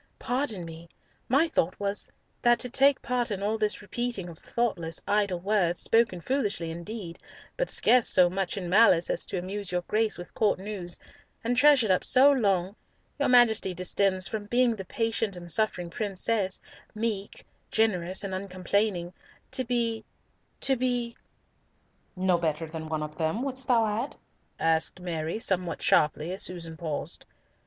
"Pardon me. My thought was that to take part in all this repeating of thoughtless, idle words, spoken foolishly indeed, but scarce so much in malice as to amuse your Grace with Court news, and treasured up so long, your Majesty descends from being the patient and suffering princess, meek, generous, and uncomplaining, to be—to be—" "No better than one of them, wouldst thou add?" asked Mary, somewhat sharply, as Susan paused.